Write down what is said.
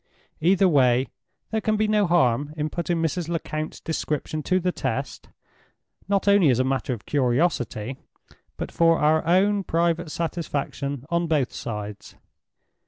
Either way, there can be no harm in putting Mrs. Lecount's description to the test, not only as a matter of curiosity, but for our own private satisfaction on both sides.